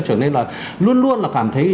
trở nên là luôn luôn là cảm thấy